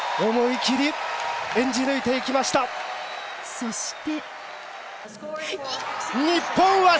そして。